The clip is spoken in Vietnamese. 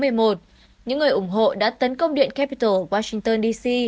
những người ủng hộ đã tấn công điện capitol washington d c